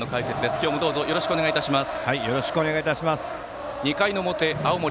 今日もどうぞよろしくお願いします。